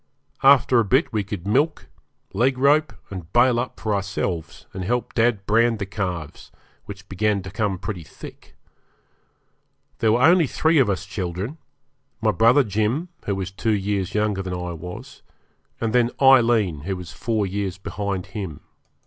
After a bit we could milk, leg rope, and bail up for ourselves, and help dad brand the calves, which began to come pretty thick. There were only three of us children my brother Jim, who was two years younger than I was, and then Aileen, who was four years behind him.